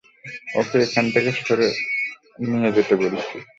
ওকে এখান থেকে নিয়ে যেতে বলেছি।